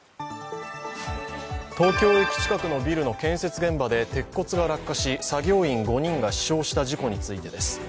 東京駅近くのビルの建設現場で鉄骨が落下し作業員５人が死傷した事故についてです。